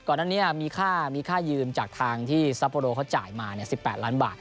ก่อนนั้นก็มีค่ายืมจากทางที่ซัปโปโรเค้าจ่ายมา๑๘ล้านบาท